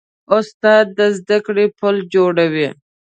استاد د زدهکړې پل جوړوي.